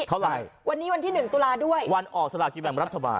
เท่าไหร่วันนี้วันที่๑ตุลาด้วยวันออกสลากินแบ่งรัฐบาล